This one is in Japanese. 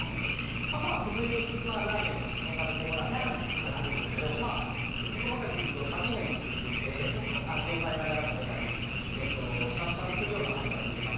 普通にラーメンと食べてもらったりするんですけど味変もあって味を変えながら食べたり、しゃぶしゃぶするようなハムがついてます。